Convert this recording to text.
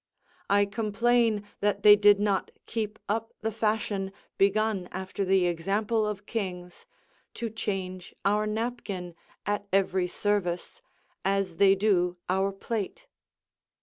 I complain that they did not keep up the fashion, begun after the example of kings, to change our napkin at every service, as they do our plate.